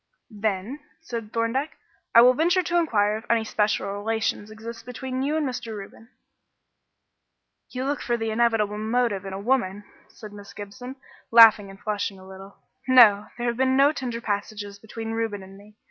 "Then," said Thorndyke, "I will venture to inquire if any special relations exist between you and Mr. Reuben." "You look for the inevitable motive in a woman," said Miss Gibson, laughing and flushing a little. "No, there have been no tender passages between Reuben and me.